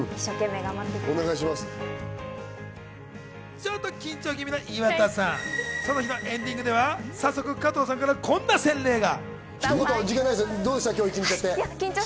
ちょっと緊張気味の岩田さん、その日のエンディングでは早速、加藤さんからこんな洗礼が。